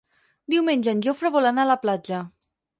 Diumenge en Jofre vol anar a la platja.